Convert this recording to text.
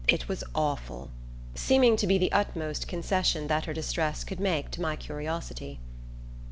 it was awful..." seeming to be the utmost concession that her distress could make to my curiosity.